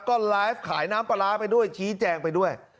ก็ไลฟ์ขายน้ำปลาร้าไปด้วยชี้แจงไปด้วย